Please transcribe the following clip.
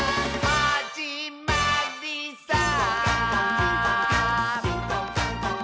「はじまりさー」